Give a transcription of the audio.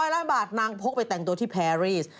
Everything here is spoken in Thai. ล้านบาทนางพกไปแต่งตัวที่แพรรีส